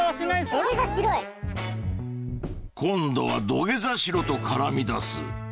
今度は土下座しろと絡みだす。